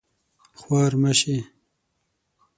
خوار مه شې